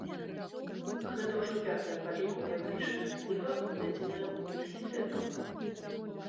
Гэта ўжо пятая па ліку паэтычная кніга, выдадзеная універсітэтам.